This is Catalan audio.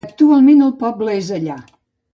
Actualment el poble és allà.